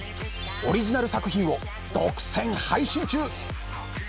オリジナル作品を独占配信中。